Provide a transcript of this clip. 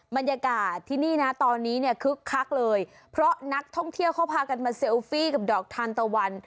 บรรยากาศที่นี่นะตอนนี้เนี่ยคึกคักเลยเพราะนักท่องเที่ยวเขาพากันมาเซลฟี่กับดอกทานตะวัน